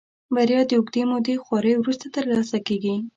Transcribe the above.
بريا د اوږدې مودې خواريو وروسته ترلاسه کېږي.